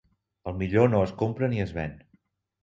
El millor no es compra ni es ven.